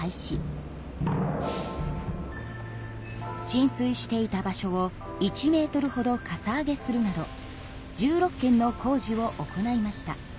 浸水していた場所を１ｍほどかさ上げするなど１６件の工事を行いました。